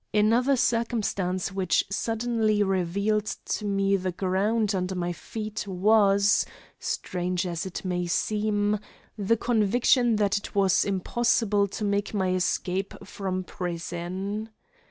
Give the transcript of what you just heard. Another circumstance which suddenly revealed to me the ground under my feet was, strange as it may seem, the conviction that it was impossible to make my escape from prison.